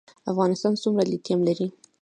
افغانستان څومره لیتیم لري؟